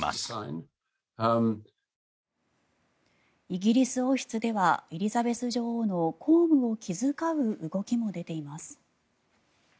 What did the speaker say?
イギリス王室ではエリザベス女王の公務を気遣う動きも出ています。